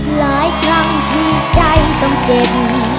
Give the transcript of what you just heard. หลายครั้งที่ใจต้องเจ็บ